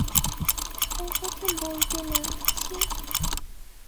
ওকথা বলতে নেই, ছিঃ!